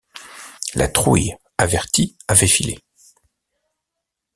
La Trouille, avertie, avait filé.